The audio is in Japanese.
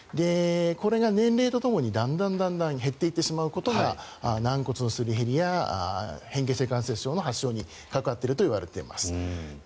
これが年齢とともにだんだん減っていってしまうことが軟骨のすり減りや変形性関節症の原因に関わっているといわれています。